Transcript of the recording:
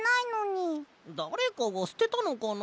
だれかがすてたのかな？